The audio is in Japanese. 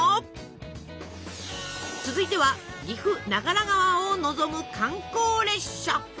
続いては岐阜長良川を望む観光列車。